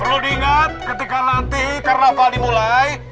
perlu diingat ketika nanti karnaval dimulai